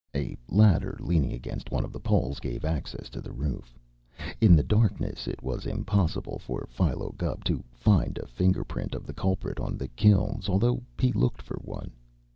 A ladder leaning against one of the poles gave access to the roof. In the darkness it was impossible for Philo Gubb to find a finger print of the culprit on the kilns, although he looked for one.